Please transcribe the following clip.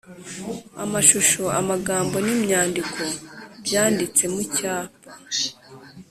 amashusho, amagambo, n’imyandiko byanditse mu cyapa-